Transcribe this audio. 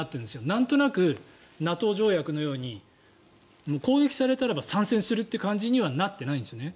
なんとなくＮＡＴＯ条約のように攻撃されたらば参戦するという感じにはなっていないんですね。